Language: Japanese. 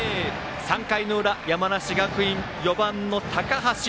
３回の裏、山梨学院４番の高橋。